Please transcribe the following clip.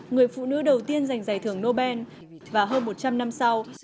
người phụ nữ đầu tiên giành giải thưởng nobel và hơn một trăm linh năm sau